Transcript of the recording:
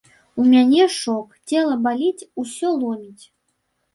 У мяне шок, цела баліць, усё ломіць.